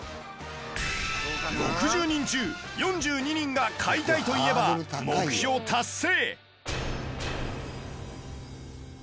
６０人中４２人が「買いたい」と言えば目標達成！